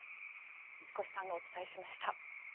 水越さんがお伝えしました。